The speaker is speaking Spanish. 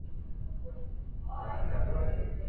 Roger Ebert definió los personajes como "estúpidos".